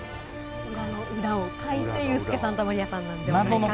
裏の裏をかいてユースケ・サンタマリアさんなんじゃないかと。